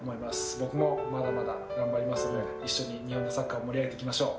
僕もまだまだ頑張りますので、一緒に日本サッカー、盛り上げていきましょう。